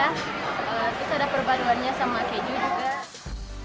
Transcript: terus ada perbaruannya sama keju juga